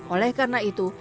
oleh karena itu